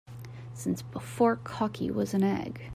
Since before cocky was an egg.